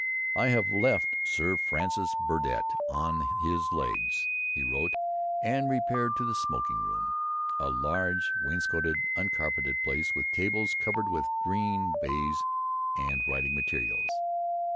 "I have left Sir Francis Burdett on his legs," he wrote, "and repaired to the smoking room; a large, wainscoted, uncarpeted place, with tables covered with green baize and writing materials.